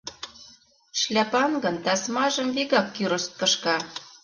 Шляпан гын тасмажымвигак кӱрышт кышка.